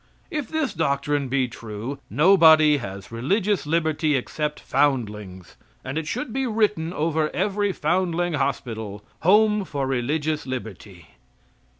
If this doctrine be true nobody has religious liberty except foundlings, and it should be written over every Foundling Hospital: "Home for Religious Liberty."